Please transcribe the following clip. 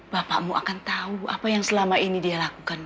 bapakmu akan tahu apa yang selama ini dia lakukan